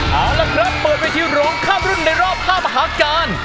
เอาละครับเปิดเวทีร้องข้ามรุ่นในรอบ๕มหาการ